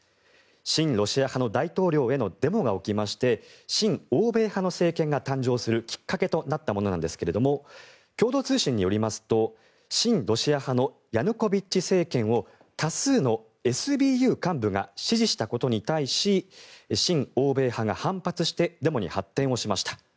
親ロシア派の大統領へのデモが起きまして親欧米派の政権が誕生するきっかけになったものなんですが共同通信によりますと親ロシア派のヤヌコビッチ政権を多数のＳＢＵ幹部が支持したことに対し親欧米派が反発してデモに発展しました。